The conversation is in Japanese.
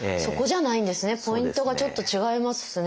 ポイントがちょっと違いますね。